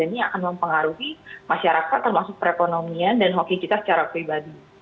ini akan mempengaruhi masyarakat termasuk perekonomian dan hoki kita secara pribadi